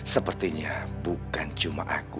sepertinya bukan cuma aku